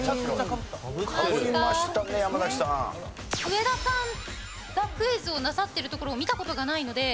植田さんがクイズをなさってるところを見た事がないので。